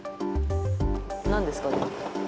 なんですかね。